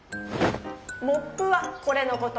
「モップ」はこれのこと。